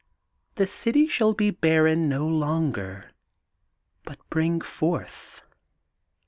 The city shall be barren no longer but bring forth.